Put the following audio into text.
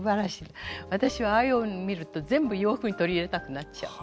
私はああいう帯見ると全部洋服に取り入れたくなっちゃう。